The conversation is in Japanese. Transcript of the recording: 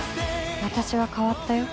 私は変わったよ。